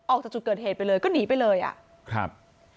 ออกจากจุดเกิดเหตุไปเลยก็หนีไปเลยอ่ะครับ